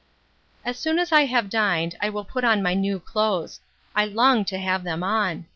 As soon as I have dined, I will put on my new clothes. I long to have them on.